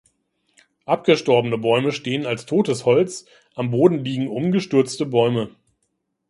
Abgestorbene Bäume stehen als totes Holz, am Boden liegen umgestürzte Bäume.